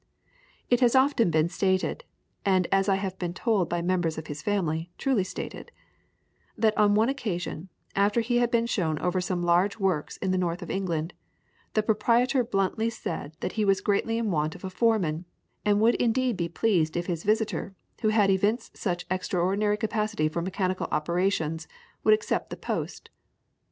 It has often been stated and as I have been told by members of his family, truly stated that on one occasion, after he had been shown over some large works in the north of England, the proprietor bluntly said that he was greatly in want of a foreman, and would indeed be pleased if his visitor, who had evinced such extraordinary capacity for mechanical operations, would accept the post.